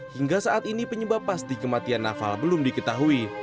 hingga saat ini penyebab pasti kematian nafa belum diketahui